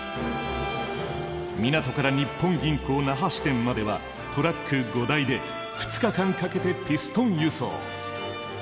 港から日本銀行那覇支店まではトラック５台で２日間かけてピストン輸送。